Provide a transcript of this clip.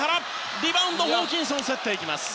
リバウンド、ホーキンソン競っていきます。